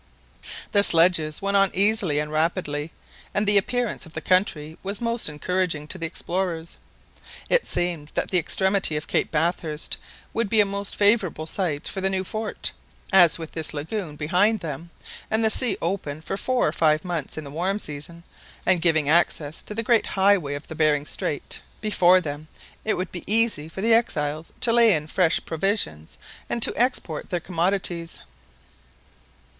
The sledges went on easily and rapidly, and the appearance of the country was most encouraging to the explorers. It seemed that the extremity of Cape Bathurst would be a most favourable site for the new fort, as with this lagoon behind them, and the sea open for four or five months in the warm season, and giving access to the great highway of Behring Strait, before them, it would be easy for the exiles to lay in fresh provisions and to export their commodities.